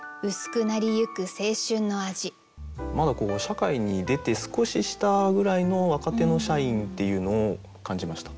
まだ社会に出て少ししたぐらいの若手の社員っていうのを感じました。